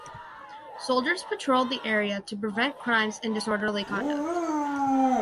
Soldiers patrolled the area to prevent crimes and disorderly conduct.